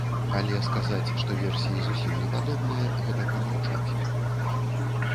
Але сказаць, што версіі зусім непадобныя, гэта прамаўчаць.